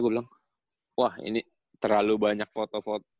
gue bilang wah ini terlalu banyak foto foto